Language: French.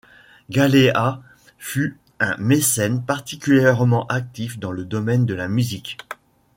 Galéas fut un mécène particulièrement actif dans le domaine de la musique.